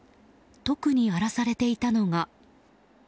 特に荒らされていたのが。